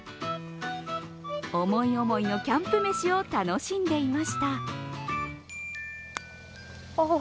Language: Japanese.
思い思いのキャンプ飯を楽しんでいました。